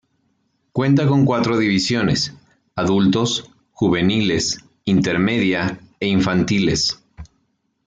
Cuenta con cuatro divisiones: adultos, juveniles, intermedia e infantiles.